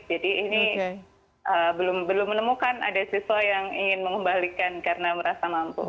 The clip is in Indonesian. jadi ini belum menemukan ada siswa yang ingin mengembalikan karena merasa mampu